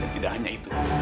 dan tidak hanya itu